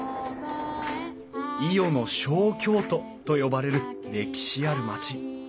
伊予の小京都と呼ばれる歴史ある町。